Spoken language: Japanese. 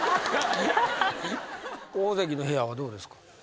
王鵬関の部屋はどうですか？